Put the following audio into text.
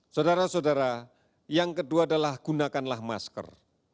saudara saudara yang kedua adalah gunakanlah masker